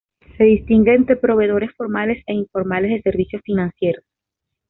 Se distingue entre proveedores formales e informales de servicios financieros.